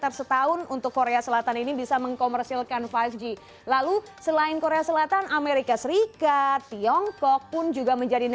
apa yang terjadi